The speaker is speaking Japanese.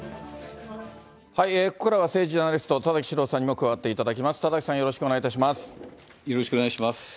ここからは政治ジャーナリスト、田崎史郎さんにも加わっていただきます。